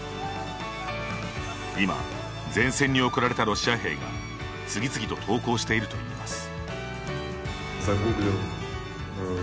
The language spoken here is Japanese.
今、前線に送られたロシア兵が次々と投降しているといいます。